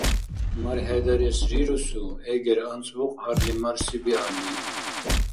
МархӀедарес рирусу, эгер анцӀбукь гьарли-марси биалли.